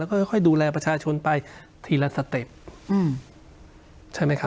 แล้วก็ค่อยดูแลประชาชนไปทีละสเต็ปใช่ไหมครับ